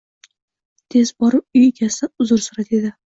Tez borib uy egasidan uzr so`ra, dedi